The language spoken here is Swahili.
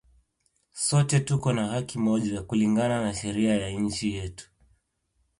Sote tuko na haki moja kulingana na sheria ya inchi yetu